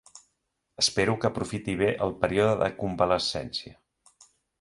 Espero que aprofiti bé el període de convalescència.